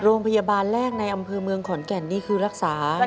โรงพยาบาลแรกในอำเภอเมืองขอนแก่นนี่คือรักษา